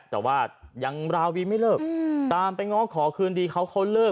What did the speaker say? แต่ว่ายังราวีไม่เลิกตามไปง้อขอคืนดีเขาเขาเลิก